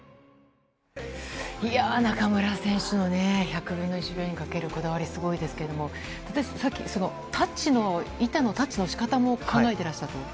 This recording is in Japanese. いやー、中村選手の１００分の１秒にかけるこだわり、すごいですけれども、立石さん、さっき、タッチの、板のタッチのしかたも考えてらっしゃる？